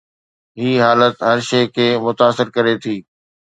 هي حالت هر شيء کي متاثر ڪري ٿو.